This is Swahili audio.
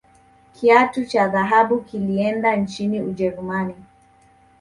kiatu cha dhahabu kilienda nchini ujerumani